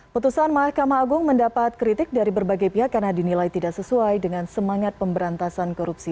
putusan mahkamah agung mendapat kritik dari berbagai pihak karena dinilai tidak sesuai dengan semangat pemberantasan korupsi